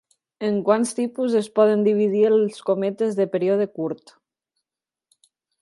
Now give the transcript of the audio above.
En quants tipus es poden dividir els cometes de període curt?